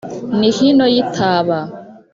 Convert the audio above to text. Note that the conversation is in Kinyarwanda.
ni hino y’itaba